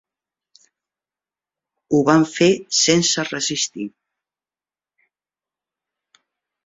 Ho van fer sense resistir.